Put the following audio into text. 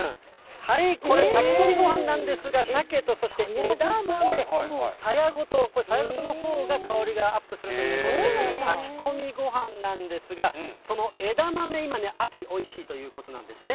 はい、これ、炊き込みごはんなんですが、シャケとそして枝豆、さやごと、これ、さやごとのほうが香りがアップするということで、この炊き込みごはんなんですが、その枝豆、今ね、秋、おいしいということなんですね。